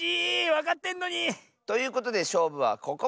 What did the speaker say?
わかってんのに！ということでしょうぶはここまで！